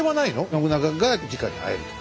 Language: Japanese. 信長がじかに会えるとか。